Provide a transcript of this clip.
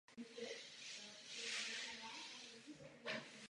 To říká mnohé o dvojích měřítcích, pokrytectví a zastíracích manévrech.